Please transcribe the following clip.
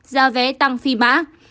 giá vé tăng phi mã